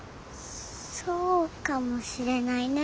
そうかもしれないね。